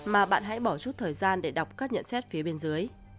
mà bạn hãy bỏ rút thời gian để đọc các nhận xét phía bên dưới